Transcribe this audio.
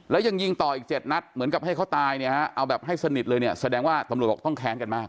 แล้วยังยิงต่ออีก๗นัดเหมือนกับให้เขาตายเนี่ยฮะเอาแบบให้สนิทเลยเนี่ยแสดงว่าตำรวจบอกต้องแค้นกันมาก